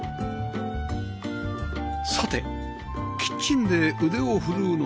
さてキッチンで腕を振るうのは淳平さん